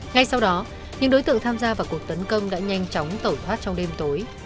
ngay sau đó những đối tượng tham gia vào cuộc tấn công đã nhanh chóng tẩu thoát trong đêm tối